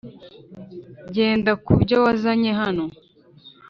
genda kubyo wazanye hano.